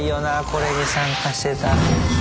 これに参加してたら。